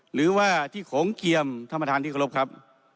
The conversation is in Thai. หรือว่าที่โขงเกียมท่านประธานที่เคารพครับ